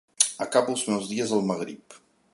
Acabo els meus dies al Magrib.